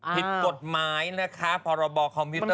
ผิดกฎหมายนะคะพรบคอมพิวเต